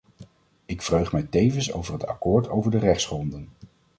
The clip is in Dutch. Ik verheug mij tevens over het akkoord over de rechtsgronden.